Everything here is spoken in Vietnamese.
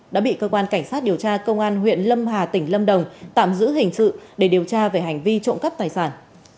đã bị cơ quan cảnh sát điều tra công an huyện lâm hà tỉnh lâm đồng tạm giữ hình sự để điều tra về hành vi trộm cắp tài sản